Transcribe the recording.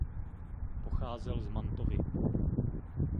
Pocházel z Mantovy.